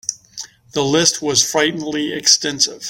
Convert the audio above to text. The list was frighteningly extensive.